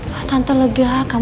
masa yang kurang